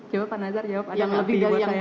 jawab pak nazar jawab